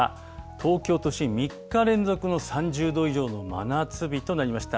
東京都心、３日連続の３０度以上の真夏日となりました。